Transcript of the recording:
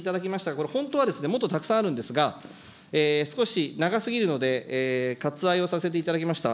これ、本当はもっとたくさんあるんですが、少し長すぎるので、割愛をさせていただきました。